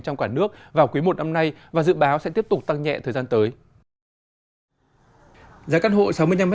trong cả nước vào cuối một năm nay và dự báo sẽ tiếp tục tăng nhẹ thời gian tới giá căn hộ sáu mươi năm m hai